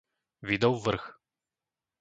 Vidov Vrch